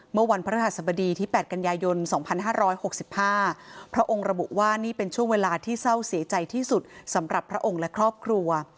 เมื่อวันพระรหัสบดีที่๘กันยายน๒๕๖๕พระองค์ระบุว่านี่เป็นช่วงเวลาที่เศร้าเสียใจที่สุดสำหรับพระองค์และครอบครัว